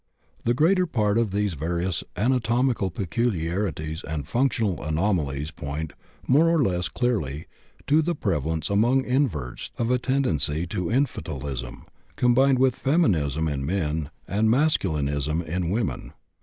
The greater part of these various anatomical peculiarities and functional anomalies point, more or less clearly, to the prevalence among inverts of a tendency to infantilism, combined with feminism in men and masculinism in women.